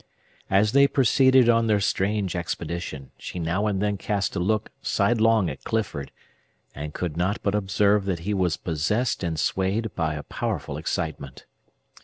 As they proceeded on their strange expedition, she now and then cast a look sidelong at Clifford, and could not but observe that he was possessed and swayed by a powerful excitement.